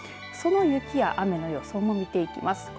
その雪や雨の予想も見ていきます。